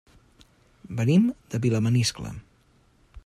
Venim de Vilamaniscle.